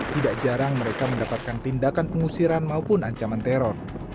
tidak jarang mereka mendapatkan tindakan pengusiran maupun ancaman teror